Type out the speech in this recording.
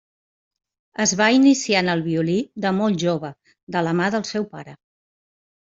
Es va iniciar en el violí de molt jove de la mà del seu pare.